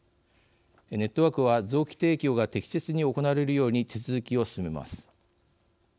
ネットワークは臓器提供が適切に行われるように手続きを進めます。